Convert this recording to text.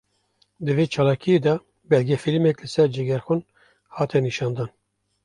Di vê çalakiyê de belgefilmek li ser Cegerxwîn hate nîşandan